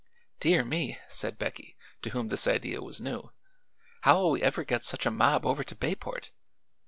"Dear me!" said Becky, to whom this idea was new; "how'll we ever get such a mob over to Bayport?"